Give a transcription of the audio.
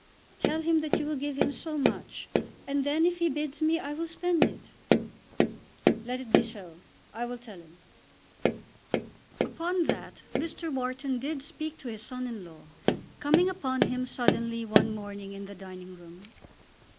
"Tell him that you will give him so much, and then, if he bids me, I will spend it." "Let it be so. I will tell him." Upon that Mr. Wharton did speak to his son in law; coming upon him suddenly one morning in the dining room.